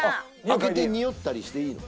開けてにおったりしていいの？